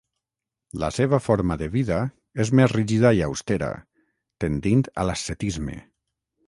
La seva forma de vida és més rígida i austera, tendint a l'ascetisme.